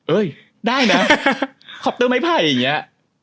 เอ้ยได้นะขอบเตอร์ไม่ไผ่อย่างเงี้ย